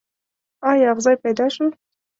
ایا اغزی پیدا شو.